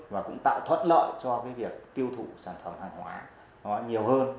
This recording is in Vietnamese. và cũng tạo thoát lợi cho việc tiêu thụ sản phẩm hàng hóa nhiều hơn